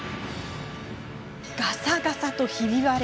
ガサガサと、ひび割れ。